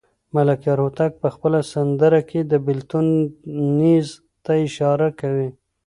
ملکیار هوتک په خپله سندره کې د بېلتون نیز ته اشاره کوي.